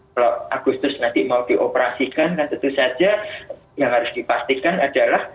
kalau agustus nanti mau dioperasikan kan tentu saja yang harus dipastikan adalah